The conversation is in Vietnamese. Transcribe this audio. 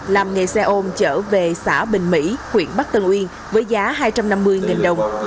làm nghề xe ôn chở về xã bình mỹ huyện bắc tân uyên với giá hai trăm năm mươi nghìn đồng